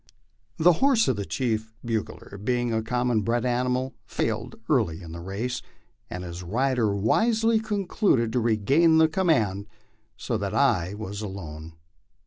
The horse of the chief bugler, being a common bred animal, failed early in the race, and his rider wisely concluded to regain the command, so that I was alone.